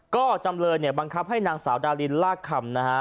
ก็จำเลยเนี่ยบังคับให้นางสาวดารินลากคำนะฮะ